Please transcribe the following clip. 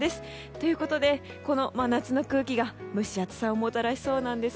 ということで、真夏の空気が蒸し暑さをもたらしそうです。